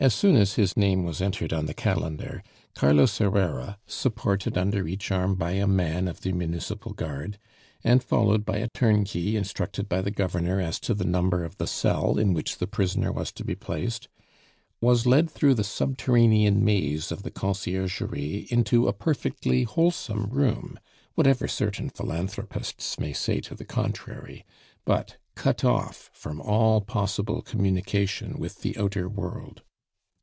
As soon as his name was entered on the calendar, Carlos Herrera, supported under each arm by a man of the municipal guard, and followed by a turnkey instructed by the Governor as to the number of the cell in which the prisoner was to be placed, was led through the subterranean maze of the Conciergerie into a perfectly wholesome room, whatever certain philanthropists may say to the contrary, but cut off from all possible communication with the outer world.